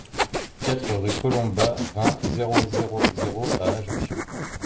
quatre rue Colomba, vingt, zéro zéro zéro à Ajaccio